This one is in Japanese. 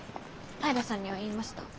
平さんには言いました。